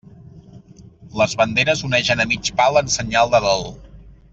Les banderes onegen a mig pal en senyal de dol.